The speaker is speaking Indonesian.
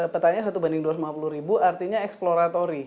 petanya satu banding dua ratus lima puluh ribu artinya exploratory